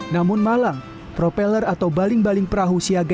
namun malang propeller atau baling baling perahu siaga